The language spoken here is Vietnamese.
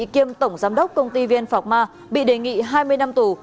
kiêm tổng giám đốc công ty vn phạc ma bị đề nghị hai mươi năm tù